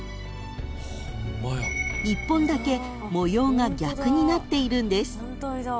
［１本だけ模様が逆になっているんです］